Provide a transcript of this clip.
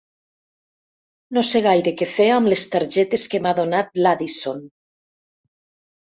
No sé gaire què fer amb les targetes que m'ha donat l'Addison.